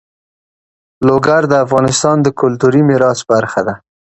لوگر د افغانستان د کلتوري میراث برخه ده.